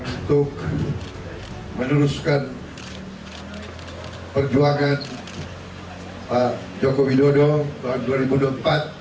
untuk meneruskan perjuangan jokowi dodo tahun dua ribu dua puluh empat